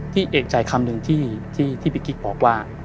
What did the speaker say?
เอกใจคำหนึ่งที่พี่กิ๊กบอกว่า